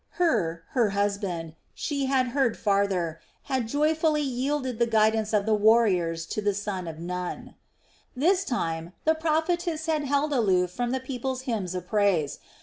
Hur, her husband, she had heard farther, had joyfully yielded the guidance of the warriors to the son of Nun. This time the prophetess had held aloof from the people's hymns of praise.